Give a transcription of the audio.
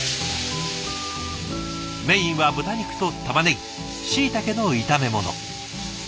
メインは豚肉とたまねぎしいたけの炒め物。